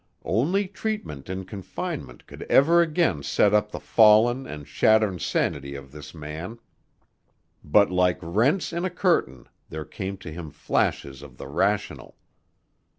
Only treatment in confinement could ever again set up the fallen and shattered sanity of this man, but like rents in a curtain there came to him flashes of the rational.